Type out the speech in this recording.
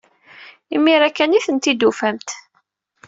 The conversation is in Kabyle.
Imir-a kan ay tent-id-tufamt.